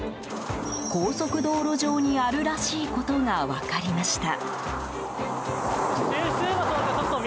高速道路上にあるらしいことが分かりました。